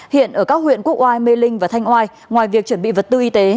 hiện ở các huyện quốc oai mê linh và thanh oai ngoài việc chuẩn bị vật tư y tế